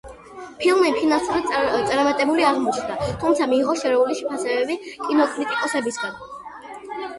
ფილმი ფინანსურად წარმატებული აღმოჩნდა, თუმცა მიიღო შერეული შეფასებები კინოკრიტიკოსებისგან.